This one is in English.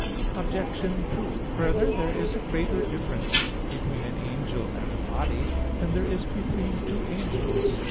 Obj. 2: Further, there is a greater difference between an angel and a body than there is between two angels.